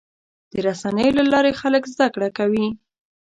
د رسنیو له لارې خلک زدهکړه کوي.